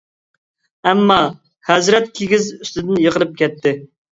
ئەمما ھەزرەت كىگىز ئۈستىدىن يىقىلىپ كەتتى.